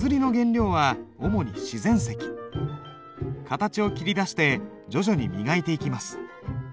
形を切り出して徐々に磨いていきます。